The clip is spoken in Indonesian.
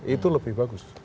itu lebih bagus